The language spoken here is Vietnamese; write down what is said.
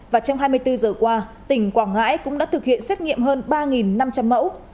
và trong hai mươi bốn giờ qua tỉnh quảng ngãi cũng đã thực hiện xét nghiệm hơn ba năm trăm linh mẫu